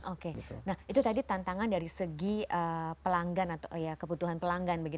oke nah itu tadi tantangan dari segi pelanggan atau kebutuhan pelanggan